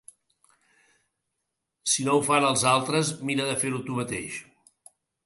Si no ho fan els altres, mira de fer-ho tu mateix.